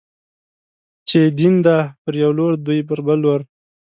چې يې دين دی، پر يو لور دوی پر بل لوري